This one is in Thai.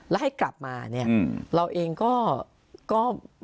และให้กลับมาเราเองก็